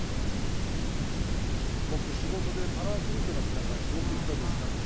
僕仕事でパラアスリートの皆さんにすごくインタビューしたんですね。